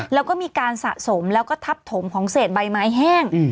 แล้วก็มีการสะสมแล้วก็ทับถมของเศษใบไม้แห้ง